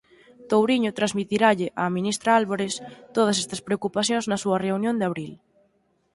Touriño transmitirálle á ministra Álvarez todas estas preocupacións na súa reunión de abril.